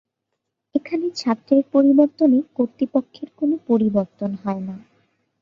এখানে ছাত্রের পরিবর্তনে কর্তৃপক্ষের কোন পরিবর্তন হয় না।